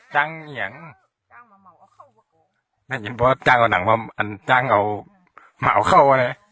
จ้างอย่างน่าจะยินพอจ้างเอาหนังมาอันจ้างเอามาเอาเข้ามาเนี้ย